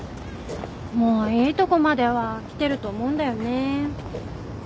もういいとこまでは来てると思うんだよね。